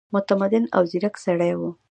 متمدن او ځیرک سړی وو.